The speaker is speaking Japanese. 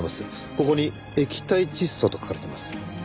ここに「液体窒素」と書かれてます。